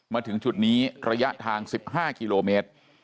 มาถึงจุดนี้ระยะทาง๑๕กิโลเมตร